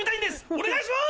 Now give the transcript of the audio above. お願いします！